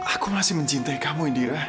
aku masih mencintai kamu indira